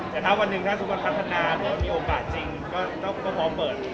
แต่ถ้าวันนึงถ้าสุขพัฒนามีโอกาสจริงก็พอเปิด